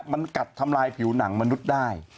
มันกัดทำลายผิวหนังมนุษย์ได้